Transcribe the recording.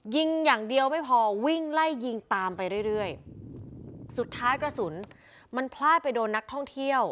ยิงอย่างเดียวไม่พอวิ่งไล่ยิงตามไปเรื่อยเรื่อยสุดท้ายกระสุนมันพลาดไปโดนนักท่องเที่ยว